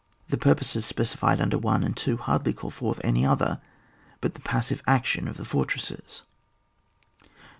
The purposes specified under 1 and 2 hardly call forth any other but the pas sive action of fortresses.